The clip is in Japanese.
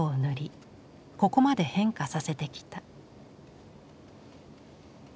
ここまで変化させてきた。